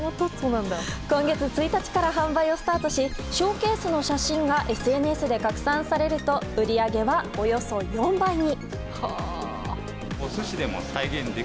今月１日から販売をスタートしショーケースの写真がＳＮＳで拡散されると売り上げは、およそ４倍に。